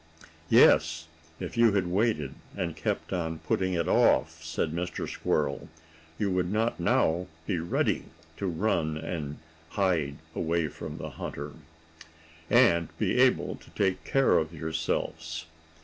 "Yes, if you had waited, and kept on putting it off," said Mr. Squirrel, "you would not now be ready to run and hide away from the hunter, and be able to take care of yourselves.